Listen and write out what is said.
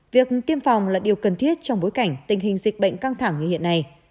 việc tiêm phòng là điều cần thiết trong bối cảnh tình hình dịch bệnh căng thẳng như hiện nay